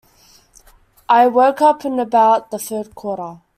I woke up in about the third quarter.